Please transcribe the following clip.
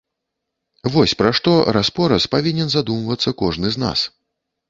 Вось пра што раз-пораз павінен задумвацца кожны з нас.